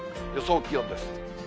予想気温です。